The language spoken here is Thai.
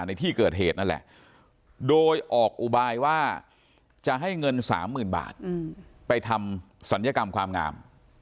ในที่เกิดเหตุนั่นแหละโดยออกอุบายว่าจะให้เงิน๓๐๐๐บาทไปทำศัลยกรรมความงาม